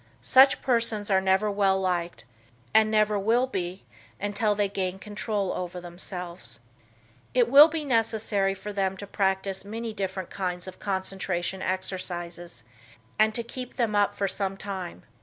Such persons are never well liked and never will be until they gain control over themselves. It will be necessary for them to practice many different kinds of concentration exercises, and to keep them up for some time.